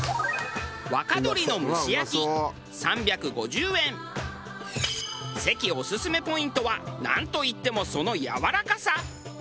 若鶏の関オススメポイントはなんといってもそのやわらかさ！